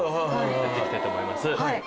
やって行きたいと思います。